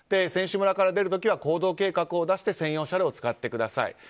選手村から出る時は行動計画を出して専用車両を使ってください。